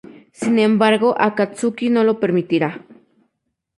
Sin embargo Akatsuki no lo permitirá.